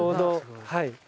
はい。